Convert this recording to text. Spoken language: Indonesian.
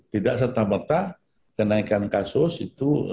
tidak serta merta kenaikan kasus itu